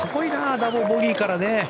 ダブルボギーからね。